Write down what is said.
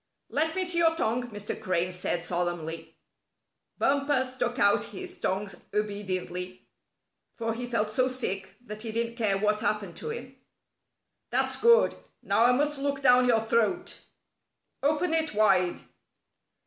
"Let me see your tongue," Mr. Crane said solemnly. Bumper stuck out his tongue obediently, for he felt so sick that he didn't care what happened to him. "That's good! Now I must look down your throat. Open it wide."